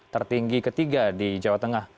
tertinggi ketiga di jawa tengah